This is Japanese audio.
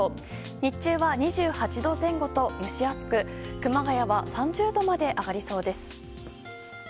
日中は２８度前後と蒸し暑く熊谷は３０度まで上がりそうです。